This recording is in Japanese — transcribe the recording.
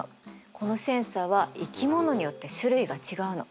このセンサーは生き物によって種類が違うの。